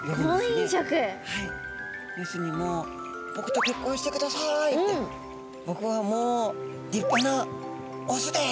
はい要するにもう「僕と結婚してください」って「僕はもう立派なオスです」。